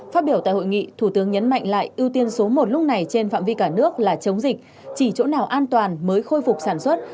phát biểu tại hội nghị thủ tướng nhấn mạnh lại ưu tiên số một lúc này trên phạm vi cả nước là chống dịch chỉ chỗ nào an toàn mới khôi phục sản xuất